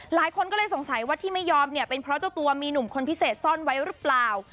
หลายคนก็เลยสงสัยว่าที่ไม่ยอมเนี่ยเป็นเพราะเจ้าตัวมีหนุ่มคนพิเศษซ่อนไว้หรือเปล่า